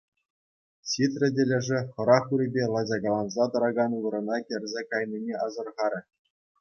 Ҫитрӗ те лешӗ хӑрах урипе лачакаланса тӑракан вырӑна кӗрсе кайнине асӑрхарӗ.